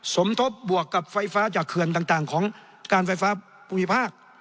สมทบบวกกับไฟฟ้าจากเขื่อนต่างของการไฟฟ้าภูมิภาค